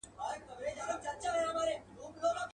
توري بڼي دي په سره لمر کي ځليږي.